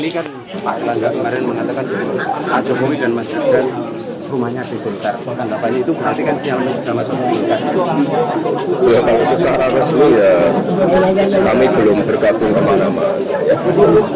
kami belum bergabung kemana mana